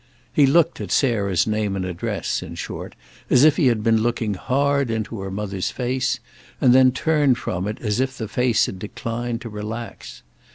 He looked at Sarah's name and address, in short, as if he had been looking hard into her mother's face, and then turned from it as if the face had declined to relax.